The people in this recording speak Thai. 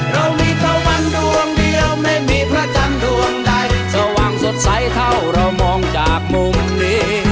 เรามีเท่าวันดวงเดียวไม่มีเพื่อทั้งดวงใดสว่างสุดใสเท่าเรามองจากมุมนี้